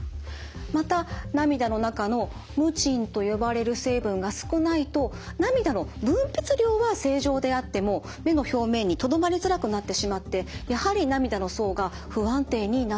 また涙の中のムチンと呼ばれる成分が少ないと涙の分泌量は正常であっても目の表面にとどまりづらくなってしまってやはり涙の層が不安定になってしまうんです。